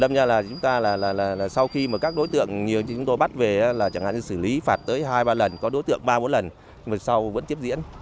đâm nha là chúng ta là sau khi các đối tượng nhiều chúng tôi bắt về là chẳng hạn như xử lý phạt tới hai ba lần có đối tượng ba bốn lần sau vẫn tiếp diễn